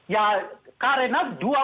ya karena dua